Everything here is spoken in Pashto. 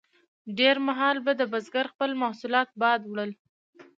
ډیر مهال به د بزګر خپل محصولات باد وړل.